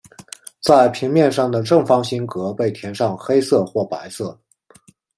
在平面上的正方形格被填上黑色或白色。